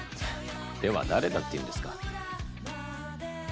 では誰だっていうんですか？